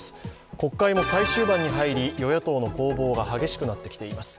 国会も最終盤に入り与野党の攻防が激しくなってきています。